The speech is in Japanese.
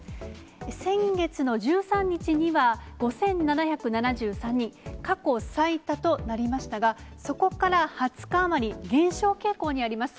先月の１３日には５７７３人、過去最多となりましたが、そこから２０日余り、減少傾向にあります。